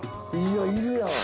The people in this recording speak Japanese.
いやいるやん。